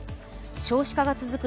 少子化が続く